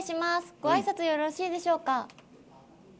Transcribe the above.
ごあいさつよろしいでしょうか？